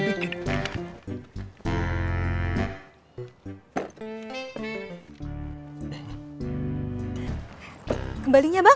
makasih ya bang